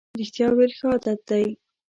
رښتیا ویل ښه عادت دی.